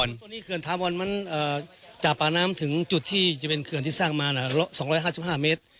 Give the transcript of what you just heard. แล้วเกือดถาวรก็จะปากด้านที่จะเป็นจุดเคือนสร้างมานับ๒๕๕เมตต์